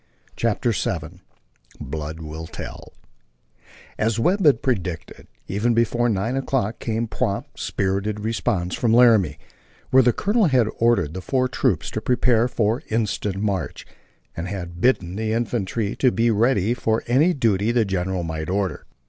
CHAPTER VII BLOOD WILL TELL As Webb had predicted, even before nine o'clock, came prompt, spirited response from Laramie, where the colonel had ordered the four troops to prepare for instant march, and had bidden the infantry to be ready for any duty the general might order.